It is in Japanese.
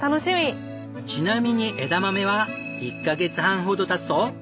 ちなみに枝豆は１カ月半ほど経つと。